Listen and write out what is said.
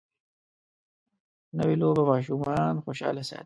نوې لوبه ماشومان خوشحاله ساتي